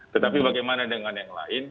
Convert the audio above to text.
tetapi bagaimana dengan yang lain